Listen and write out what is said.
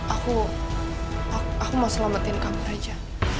aku aku mau selamatin kamu aja